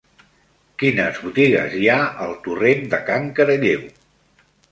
Quines botigues hi ha al torrent de Can Caralleu?